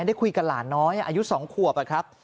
ได้คุยกับหลานน้อยอายุ๒ขวบครับ